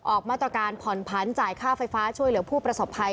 ออกมาตรการผ่อนผันจ่ายค่าไฟฟ้าช่วยเหลือผู้ประสบภัย